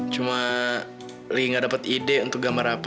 cuma lagi gak dapat ide untuk gambar apa